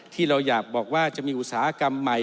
ที่เราอยากบอกว่าจะมีอุตสาหกรรมใหม่